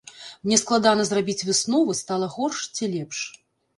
Мне складана зрабіць высновы, стала горш ці лепш.